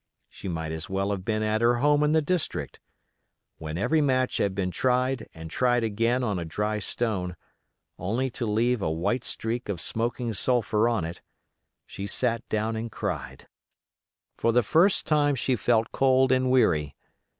She might as well have been at her home in the district. When every match had been tried and tried again on a dry stone, only to leave a white streak of smoking sulphur on it, she sat down and cried. For the first time she felt cold and weary.